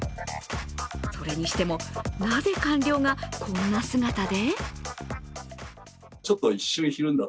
それにしてもなぜ官僚がこんな姿で？